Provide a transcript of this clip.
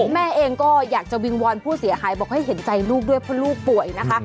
แม่เองก็อยากจะวิงวอนผู้เสียหายบอกให้เห็นใจลูกด้วยเพราะลูกป่วยนะคะ